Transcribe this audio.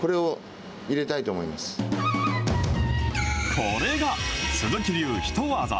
これが鈴木流ヒトワザ。